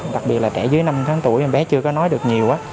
đặc biệt là trẻ dưới năm tháng tuổi em bé chưa có nói được nhiều